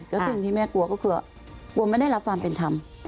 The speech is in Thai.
ก็สิ่งที่แม่กลัวก็คือกลัวไม่ได้รับความเป็นธรรม